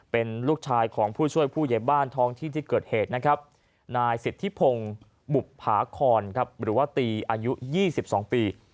คนลูกชายของผู้ช่วยผู้ยายบ้านทองที่เกิดเหตุนายศิษฐีพงศ์หมุบผาคลหรือธรรมอะตีอายุ๒๒ปี